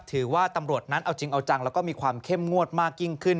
ถือว่าตำรวจนั้นเอาจริงเอาจังแล้วก็มีความเข้มงวดมากยิ่งขึ้น